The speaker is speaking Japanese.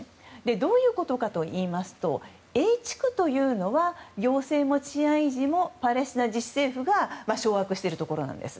どういうことかといいますとＡ地区は、行政も治安維持もパレスチナ自治政府が掌握しているところです。